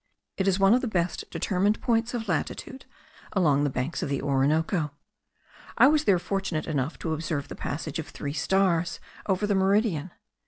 It is one of the best determined points of latitude along the banks of the Orinoco. I was there fortunate enough to observe the passage of three stars over the meridian.